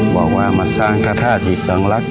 บอกว่ามาสร้างท่าท่าที่สองลักษณ์